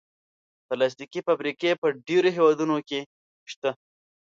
پلاستيکي فابریکې په ډېرو هېوادونو کې شته.